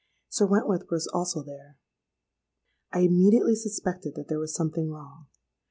Sir Wentworth was also there. I immediately suspected that there was something wrong.